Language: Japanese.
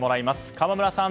河村さん